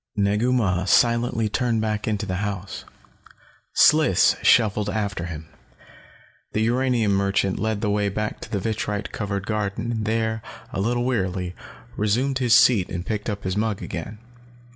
Negu Mah silently turned back into the house. Sliss shuffled after him. The uranium merchant led the way back to the vitrite covered garden and there, a little wearily, resumed his seat and picked up his mug again.